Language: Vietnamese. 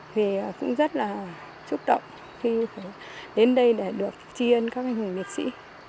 thì cũng rất là xúc động khi đến đây để được chiên các anh hùng liệt sĩ